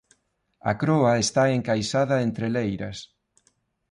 A Croa está encaixada entre leiras.